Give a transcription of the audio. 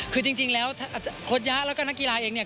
คือจริงแล้วโค้ชยะแล้วก็นักกีฬาเองเนี่ย